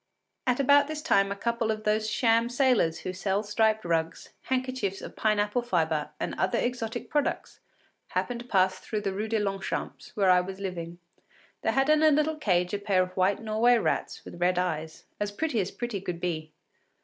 At about this time a couple of those sham sailors who sell striped rugs, handkerchiefs of pine apple fibre and other exotic products, happened to pass through the Rue de Longchamps, where I was living. They had in a little cage a pair of white Norway rats with red eyes, as pretty as pretty could be.